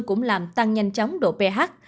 cũng làm tăng nhanh chóng độ ph